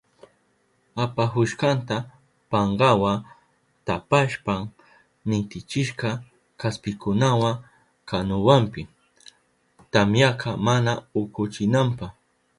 Apahushkanta pankawa tapashpan nitichishka kaspikunawa kanuwanpi, tamyaka mana ukuchinanpa.